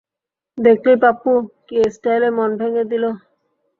দেখলি পাপ্পু, কী স্টাইলে মন ভেঙ্গে দিল।